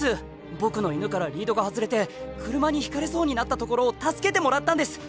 僕の犬からリードが外れて車にひかれそうになったところを助けてもらったんですっ！